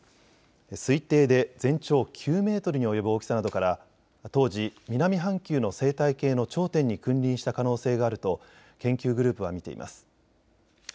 推定で全長９メートルに及ぶ大きさなどから当時、南半球の生態系の頂点に君臨した可能性があると研究グループは見ています。